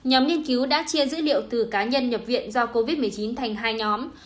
nhóm nghiên cứu đã chia dữ liệu từ cá nhân nhập viện do covid một mươi chín thành hai nhóm